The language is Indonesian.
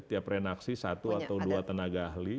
tiap renaksi satu atau dua tenaga ahli